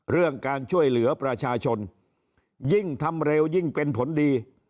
เรื่องการช่วยเหลือประชาชนยิ่งทำเร็วยิ่งเป็นผลดี